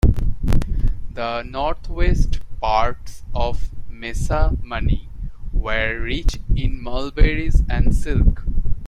The north-west parts of Mesa Mani were rich in mulberries and silk.